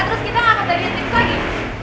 terus kita ngangkat aja timp lagi